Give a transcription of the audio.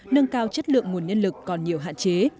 nâng cao chất lượng nguồn nhân lực còn nhiều hạn chế